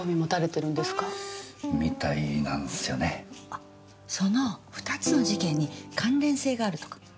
あっその２つの事件に関連性があるとか？